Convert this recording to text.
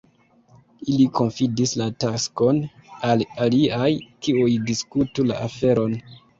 Ili konfidis la taskon al aliaj, kiuj diskutu la aferon.